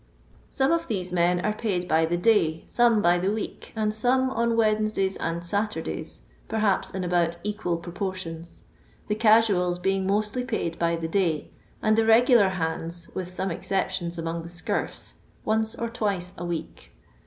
Some of these men are paid by the day, some by the week, and some on Wednesdays and Saturdays, perhaps in about equal proportions, the " casuals " being mostly paid by the day, and the regular hands (with some exceptions among the scurfs) once or twice a week.